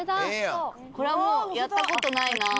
これはもうやった事ないなあ。